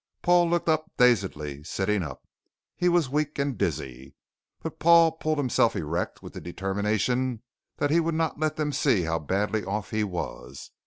Paul looked up dazedly, sitting up. He was weak, and dizzy. But Paul pulled himself erect with the determination that he would not let them see how badly off he was.